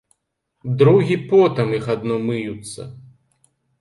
Другі потам іх адно мыюцца.